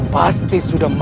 pasti sudah mati